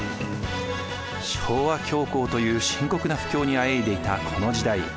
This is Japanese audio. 「昭和恐慌」という深刻な不況にあえいでいたこの時代。